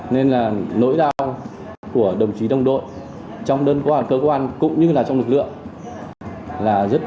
nên là nỗi đau của đồng chí đồng đội trong đơn có cơ quan cũng như là trong lực lượng là rất lớn